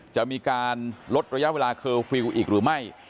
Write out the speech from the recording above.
จะมีการลดระยะเวลาเคอร์ฟิลล์อีกหรือไม่